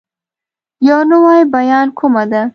يو نوی بيان کومه